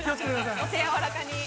◆お手柔らかに。